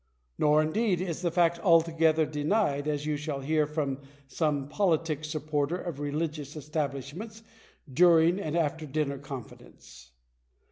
Nor, indeed, is the fact altogether denied, as you shall hear from some politic supporter of religious establish ments during an after dinner confidence.